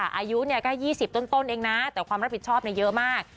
อายุก็๒๐ต้นเองนะแต่ความรับผิดชอบเยอะมาก